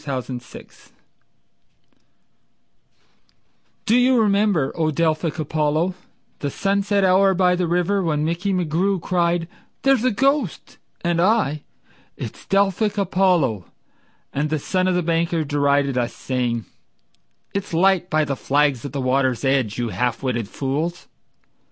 Webster Ford Do you remember, O Delphic Apollo, The sunset hour by the river, when Mickey M'Grew Cried, "There's a ghost," and I, "It's Delphic Apollo"; And the son of the banker derided us, saying, "It's light By the flags at the water's edge, you half witted fools."